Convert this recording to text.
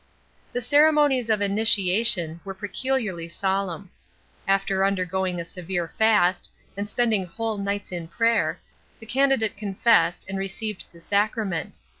The ceremonies of initiation were peculiarly solemn. After undergoing a severe fast, and spending whole nights in prayer, the candidate confessed, and received the sacrament.